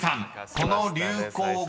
この流行語］